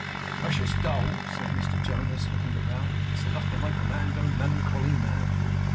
'Precious dull,' said Mr Jonas, looking about. 'It's enough to make a man go melancholy mad.